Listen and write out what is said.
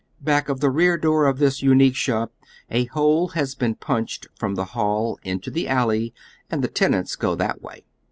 Back of the rear wall of this unique shop a hole has been punched from the liall hito the alley and the tenants go that way.